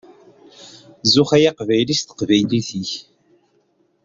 Zuxx ay Aqbayli s teqbaylit-ik!